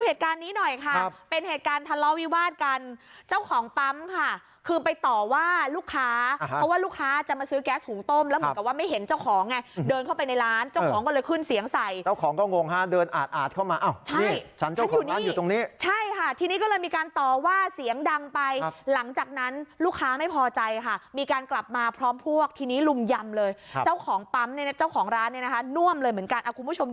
เหตุการณ์นี้หน่อยค่ะเป็นเหตุการณ์ทะเลาวิวาดกันเจ้าของปั๊มค่ะคือไปต่อว่าลูกค้าเพราะว่าลูกค้าจะมาซื้อแก๊สถุงต้มแล้วเหมือนกับว่าไม่เห็นเจ้าของอ่ะเดินเข้าไปในร้านเจ้าของก็เลยขึ้นเสียงใส่เจ้าของก็งงฮะเดินอาดอาดเข้ามาอ้าวนี่ฉันเจ้าของร้านอยู่ตรงนี้ใช่ค่ะทีนี้ก็เลยมีการต่